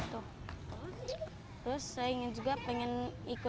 dan berharap mereka akan berhasil mencapai kemampuan yang mereka inginkan